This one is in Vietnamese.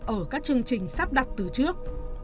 ở các chương trình sắp đặt từ trước